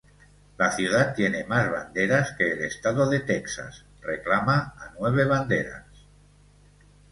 La ciudad tiene más banderas que el estado de Texas, reclama a nueve banderas.